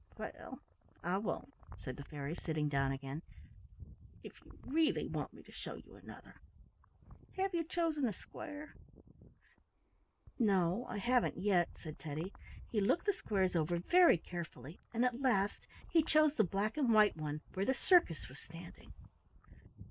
"Well, I won't," said the fairy, sitting down again, "if you really want me to show you another. Have you chosen a square?" "No, I haven't yet," said Teddy. He looked the squares over very carefully, and at last he chose the black and white one where the circus was standing.